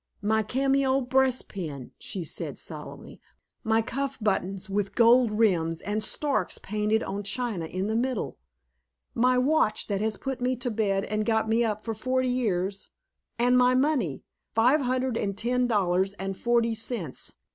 "My cameo breastpin," she said solemnly; "my cuff buttons with gold rims and storks painted on china in the middle; my watch, that has put me to bed and got me up for forty years, and my money five hundred and ten dollars and forty cents!